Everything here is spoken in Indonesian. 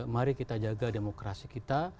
mari kita jaga demokrasi kita